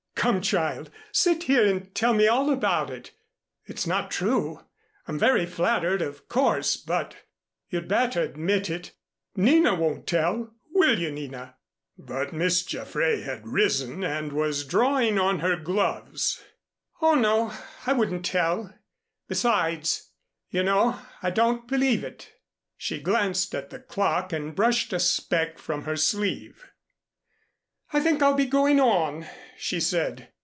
Come, child, sit here and tell me all about it." "It's not true. I'm very flattered, of course, but " "You'd better admit it. Nina won't tell, will you, Nina?" But Miss Jaffray had risen and was drawing on her gloves. "Oh, no. I wouldn't tell. Besides you know I don't believe it." She glanced at the clock, and brushed a speck from her sleeve. "I think I'll be going on," she said.